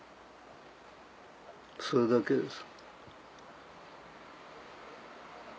それだけです。